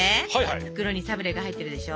袋にサブレが入ってるでしょ。